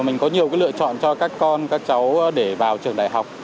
mình có nhiều cái lựa chọn cho các con các cháu để vào trường đại học